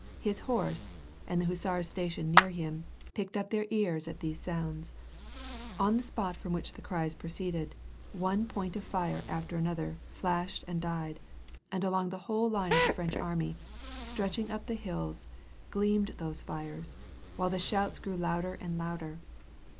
His horse, and the hussars' stationed near him, pricked up their ears at these sounds. On the spot from which the cries proceeded, one point of fire after another flashed and died, and along the whole line of the French army, stretching up the hills, gleamed those fires, while the shouts grew louder and louder.